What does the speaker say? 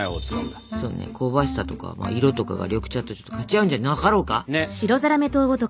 そうね香ばしさとか色とかが緑茶とかち合うんじゃなかろうか。